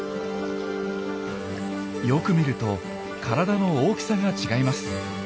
よく見ると体の大きさが違います。